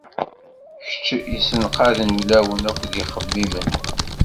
Kečč yessenqaden ulawen akked yixemmimen.